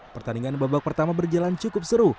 pertandingan babak pertama berjalan cukup seru